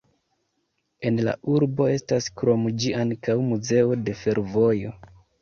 En la urbo estas krom ĝi ankaŭ muzeo de fervojo.